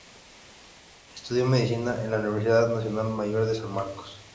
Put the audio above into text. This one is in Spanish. Estudió medicina en la Universidad Nacional Mayor de San Marcos.